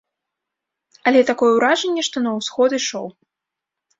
Але такое ўражанне, што на ўсход ішоў.